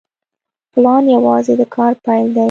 پلان یوازې د کار پیل دی